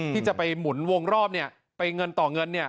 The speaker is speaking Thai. ที่จะไปหมุนวงรอบเนี่ยไปเงินต่อเงินเนี่ย